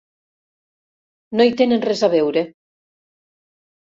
No hi tenen res a veure.